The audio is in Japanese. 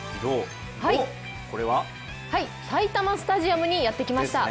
埼玉スタジアムにやってきました。